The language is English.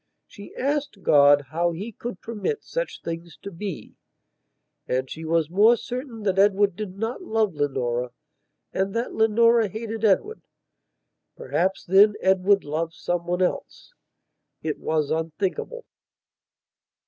She asked God how He could permit such things to be. And she was more certain that Edward did not love Leonora and that Leonora hated Edward. Perhaps, then, Edward loved some one else. It was unthinkable.